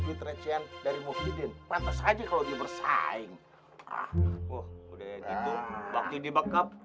kerecehan dari muhyiddin pantas aja kalau dia bersaing ah udah gitu waktu di backup